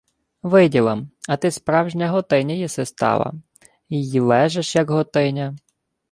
— Виділа-м. А ти справжня готиня єси стала. Й ле-жеш, як готиня.